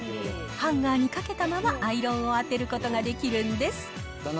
ハンガーに掛けたままアイロンを当てることができるんです。